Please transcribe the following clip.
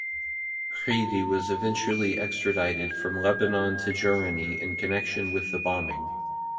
Chreidi was eventually extradited from Lebanon to Germany in connection with the bombing.